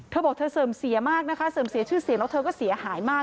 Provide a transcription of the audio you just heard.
เธอบอกเธอเสื่อมเสียมากนะคะเสื่อมเสียชื่อเสียงแล้วเธอก็เสียหายมาก